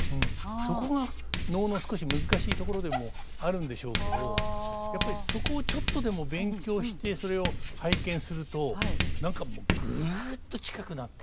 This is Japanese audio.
そこが能の少し難しいところでもあるんでしょうけどやっぱりそこをちょっとでも勉強してそれを拝見すると何かもうぐっと近くなって。